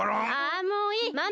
あもういい！